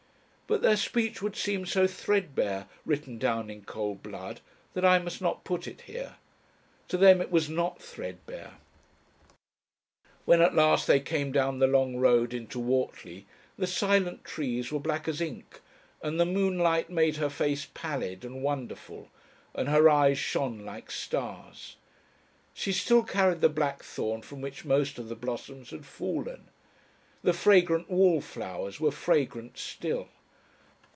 But their speech would seem so threadbare, written down in cold blood, that I must not put it here. To them it was not threadbare. When at last they came down the long road into Whortley, the silent trees were black as ink and the moonlight made her face pallid and wonderful, and her eyes shone like stars. She still carried the blackthorn from which most of the blossoms had fallen. The fragrant wallflowers were fragrant still.